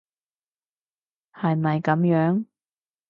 係咪噉樣？